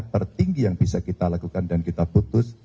tertinggi yang bisa kita lakukan dan kita putus